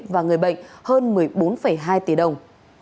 và người bệnh hơn một mươi bốn hai tỷ đồng